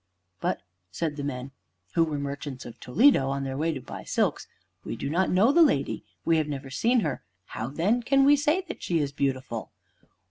"But," said the men (who were merchants of Toledo, on their way to buy silks), "we do not know the lady. We have never seen her. How then can we say that she is beautiful?"